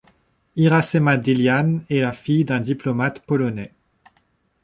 Irasema Dilián est la fille d'un diplomate polonais.